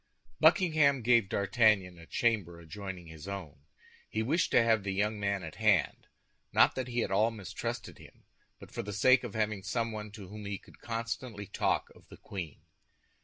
Buckingham gave D'Artagnan a chamber adjoining his own. He wished to have the young man at hand—not that he at all mistrusted him, but for the sake of having someone to whom he could constantly talk of the queen.